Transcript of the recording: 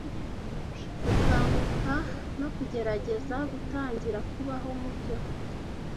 Gukanguka no kugerageza gutangira kubaho mubyo